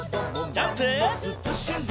ジャンプ！